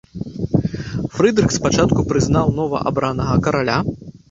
Фрыдрых спачатку прызнаў новаабранага караля.